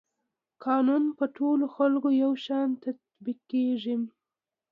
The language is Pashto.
قانون په ټولو خلکو یو شان تطبیقیږي.